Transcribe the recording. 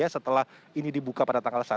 setelah ini dibuka pada tanggal satu